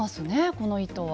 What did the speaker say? この糸は。